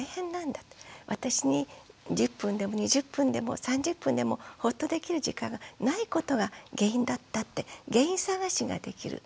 私に１０分でも２０分でも３０分でもホッとできる時間がないことが原因だったって原因探しができる。